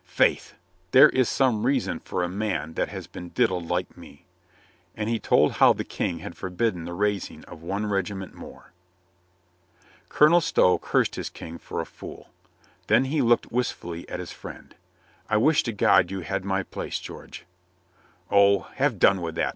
Faith, there is some reason for a man that has been diddled like me." And he told how the King had forbidden the raising of one regiment more. Colonel Stow cursed his King for a fool. Then he looked wistfully at his friend. "I wish to God you had my place, George." "O, have done with that!"